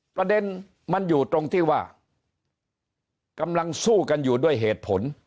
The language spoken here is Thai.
ประเด็นมันอยู่ตรงที่ว่ากำลังสู้กันอยู่ด้วยเหตุผล